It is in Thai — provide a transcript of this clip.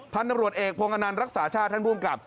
ท่านตำรวจเอกโพงกะนันรักษาชาติท่านภูมิกับ